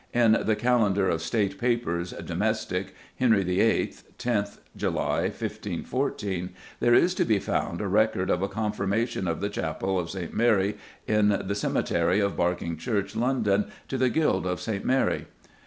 In the Calendar of State Papers, Domestic, Henry VIII., 10th July, 1514, there is to be found a record of a "confirmation of the Chapel of St. Mary in the Cæmetary of Barkingchurch London to the Guild of St. Mary."